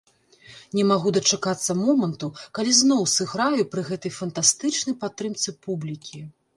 Не магу дачакацца моманту, калі зноў сыграю пры гэтай фантастычнай падтрымцы публікі.